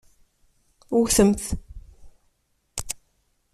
Wwtemt!